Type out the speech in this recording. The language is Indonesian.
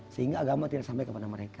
sehingga agama tidak sampai kepada mereka